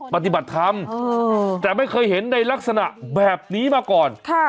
ปฏิบัติธรรมแต่ไม่เคยเห็นในลักษณะแบบนี้มาก่อน